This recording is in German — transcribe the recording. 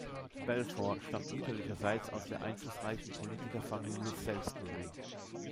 Balfour stammt mütterlicherseits aus der einflussreichen Politikerfamilie Salisbury.